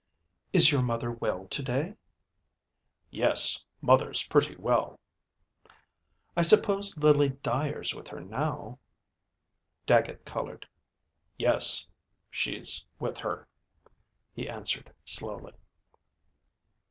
"Is your mother well to day?" "Yes, mother's pretty well." "I suppose Lily Dyer's with her now?" Dagget colored. "Yes, she's with her," he answered, slowly.